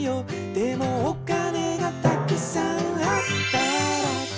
「でもお金がたくさんあったら」